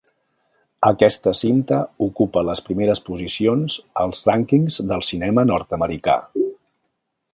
Aquesta cinta ocupa les primeres posicions als rànquings del cinema nord-americà.